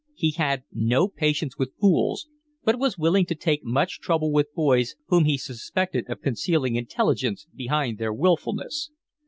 He had no patience with fools, but was willing to take much trouble with boys whom he suspected of concealing intelligence behind their wilfulness.